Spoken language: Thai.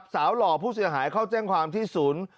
หล่อผู้เสียหายเข้าแจ้งความที่ศูนย์